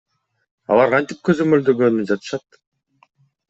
Алар кантип көзөмөлдөгөнү жатышат?